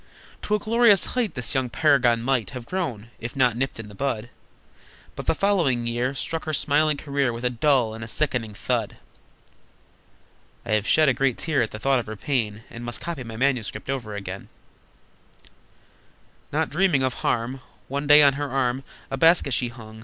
To a glorious height The young paragon might Have grown, if not nipped in the bud, But the following year Struck her smiling career With a dull and a sickening thud! (I have shed a great tear at the thought of her pain, And must copy my manuscript over again!) Not dreaming of harm, One day on her arm A basket she hung.